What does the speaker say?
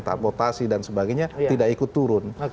transportasi dan sebagainya tidak ikut turun